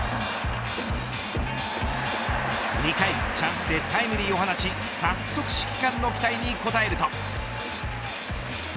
２回チャンスでタイムリーを放ち早速指揮官の期待に応えると。